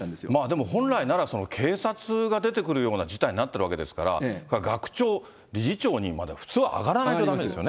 でも、本来なら、警察が出てくるような事態になってるわけですから、学長、理事長にまで普通は上がらないとだめですよね。